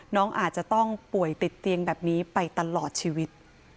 น้องอาจจะต้องป่วยติดเตียงแบบนี้ไปตลอดชีวิต